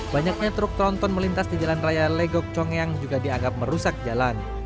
banyaknya truk tronton melintas di jalan raya legok congyang juga dianggap merusak jalan